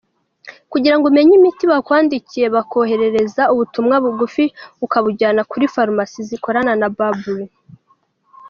Kugira ngo umenye imiti bakwandikiye, bakoherereza ubutumwa bugufi ukabujyana kuri farumasi zikorana na “Babyl”.